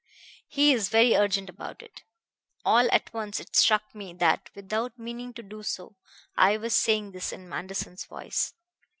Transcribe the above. He is very urgent about it.' All at once it struck me that, without meaning to do so, I was saying this in Manderson's voice.